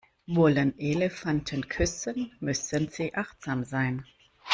Wollen Elefanten küssen, müssen sie achtsam sein.